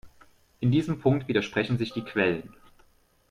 In diesem Punkt widersprechen sich die Quellen.